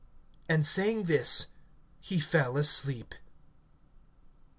And saying this, he fell asleep.